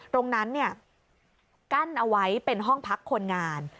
ตรงนั้นกั้นเอาไว้เป็นห้องพักคนงาน